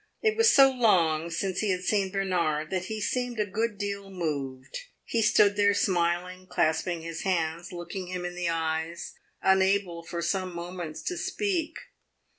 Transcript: It was so long since he had seen Bernard that he seemed a good deal moved; he stood there smiling, clasping his hands, looking him in the eyes, unable for some moments to speak.